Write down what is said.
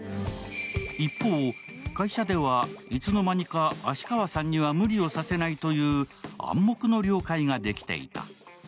一方、会社ではいつの間にか芦川さんには無理をさせないという暗黙の了解ができていた。